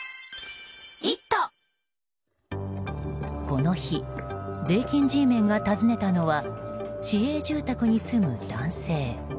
この日税金Ｇメンが訪ねたのは市営住宅に住む男性。